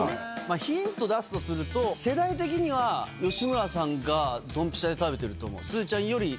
ヒント出すとすると、世代的には、吉村さんがどんぴしゃで食べてると思う。